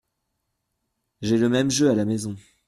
J’ai le même jeu à la maison.